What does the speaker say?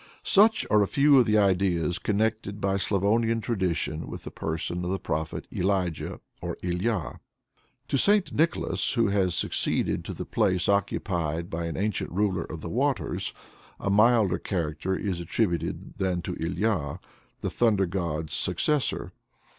Such are a few of the ideas connected by Slavonian tradition with the person of the Prophet Elijah or Ilya. To St. Nicholas, who has succeeded to the place occupied by an ancient ruler of the waters, a milder character is attributed than to Ilya, the thunder god's successor.